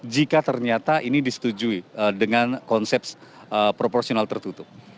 jika ternyata ini disetujui dengan konsep proporsional tertutup